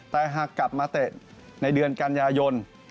แต่หากกลับมาเตะในเดือนกันยายน